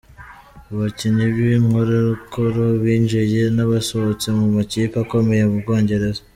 Abakinnyi b’inkorokoro binjiye n’abasohotse mu makipe akomeye mu Bwongereza.